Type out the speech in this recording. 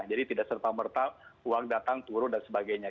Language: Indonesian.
jadi tidak serta merta uang datang turun dan sebagainya